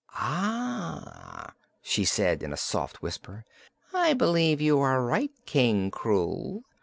"Ah," she said in a soft whisper, "I believe you are right, King Krewl.